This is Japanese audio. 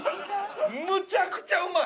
むちゃくちゃうまい！